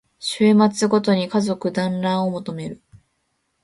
週末ごとに家族だんらんを求める